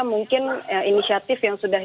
mungkin inisiatif yang sudah